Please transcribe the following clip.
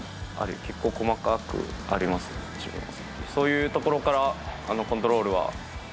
結構、細かくあります、自分は。